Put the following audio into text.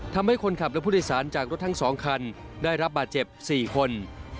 ทำให้คนขับและผู้โดยสารจากรถทั้ง๒คันได้รับบาดเจ็บ๔คน